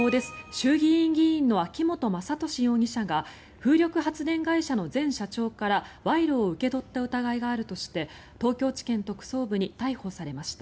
衆議院議員の秋本真利容疑者が風力発電会社の前社長から賄賂を受け取った疑いがあるとして東京地検特捜部に逮捕されました。